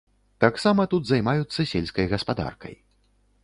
Таксама тут займаюцца сельскай гаспадаркай.